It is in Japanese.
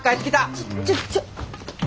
ちょちょちょ。